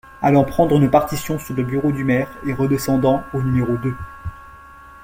Allant prendre une partition sur le bureau du maire et redescendant au n° deux.